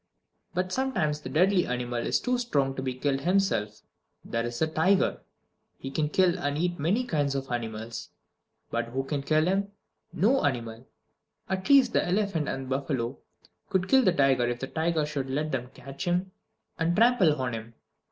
But sometimes the deadly animal is too strong to be killed himself. There is the tiger. He can kill and eat many kinds of animals. But who can kill him? No animal! At least, the elephant and the buffalo could kill the tiger if the tiger should let them catch him and trample on him.